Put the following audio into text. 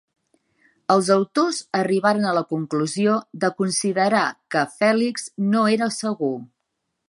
Els autors arribaren a la conclusió de considerar que Phelix no era segur.